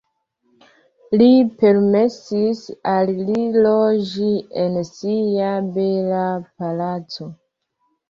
Li permesis al li loĝi en sia bela palaco.